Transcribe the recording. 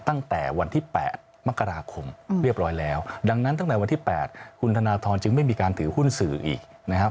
ตั้งแต่วันที่๘มกราคมเรียบร้อยแล้วดังนั้นตั้งแต่วันที่๘คุณธนทรจึงไม่มีการถือหุ้นสื่ออีกนะครับ